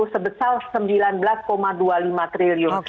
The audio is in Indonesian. sebesar rp sembilan belas dua puluh lima triliun